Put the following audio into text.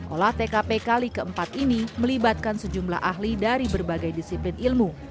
olah tkp kali keempat ini melibatkan sejumlah ahli dari berbagai disiplin ilmu